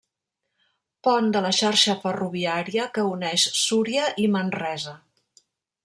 Pont de la xarxa ferroviària que uneix Súria i Manresa.